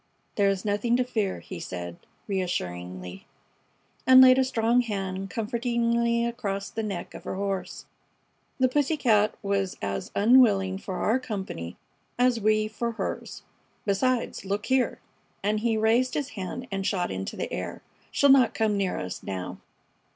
"There is nothing to fear," he said, reassuringly, and laid a strong hand comfortingly across the neck of her horse. "The pussy cat was as unwilling for our company as we for hers. Besides, look here!" and he raised his hand and shot into the air. "She'll not come near us now."